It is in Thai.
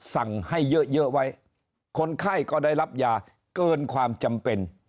สั่งให้เยอะไว้คนไข้ก็ได้รับยาเกินความจำเป็น